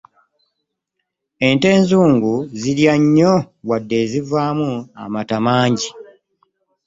Ente enzungu zirya nnyo wadde zivaamu amata mangi.